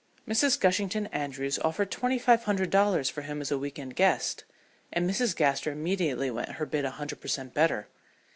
Mrs. Gushington Andrews offered twenty five hundred dollars for him as a week end guest, and Mrs. Gaster immediately went her bid a hundred per cent. better.